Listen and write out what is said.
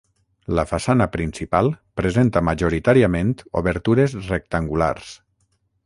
La façana principal presenta majoritàriament obertures rectangulars.